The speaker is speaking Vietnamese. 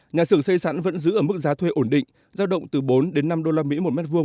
nhà sưởng xây sản vẫn giữ ở mức giá thuê ổn định giao động từ bốn đến năm usd một mét vuông